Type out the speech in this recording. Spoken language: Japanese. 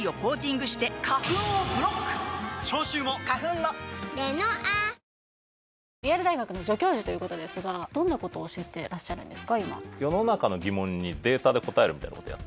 これイェール大学の助教授ということですがどんなことを教えてらっしゃるんですか？